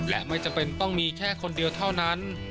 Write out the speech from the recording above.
และไม่จำเป็นต้องมีแค่คนเดียวเท่านั้น